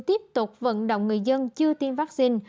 tiếp tục vận động người dân chưa tiêm vaccine